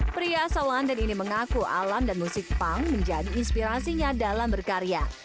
pria asal london ini mengaku alam dan musik punk menjadi inspirasinya dalam berkarya